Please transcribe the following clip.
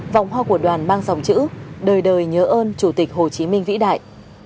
vòng hoa của đoàn mang dòng chữ đời đời nhớ ơn chủ tịch hồ chí minh vĩ đại